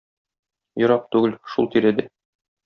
Ерак түгел, шул тирәдә.